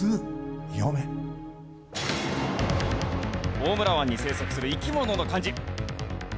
大村湾に生息する生き物の漢字。